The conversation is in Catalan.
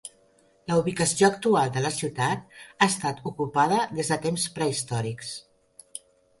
La ubicació actual de la ciutat ha estat ocupada des de temps prehistòrics.